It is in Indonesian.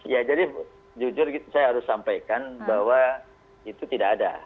ya jadi jujur saya harus sampaikan bahwa itu tidak ada